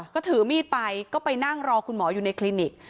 ก็ถือมีดไปก็ไปนั่งรอคุณหมออยู่ในคลินิก